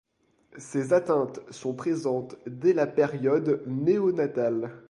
Ces atteintes sont présentes dès la période néo-natale.